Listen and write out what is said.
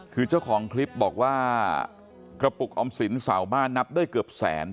คือเจ้าของคลิปบอกว่ากระปุกออมสินเสาบ้านนับได้เกือบแสน